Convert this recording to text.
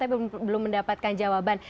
tapi belum mendapatkan jawaban